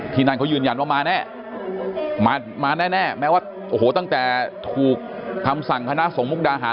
ทีนั่นเขายืนยันว่ามาแน่แม้ว่าตั้งแต่ถูกทำสั่งพนธ์สงฆ์มุกดาหาร